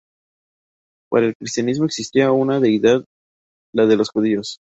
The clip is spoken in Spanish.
Para el cristianismo existía una deidad, la de los judíos.